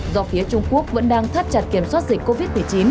do phía trung quốc vẫn đang thắt chặt kiểm soát dịch covid một mươi chín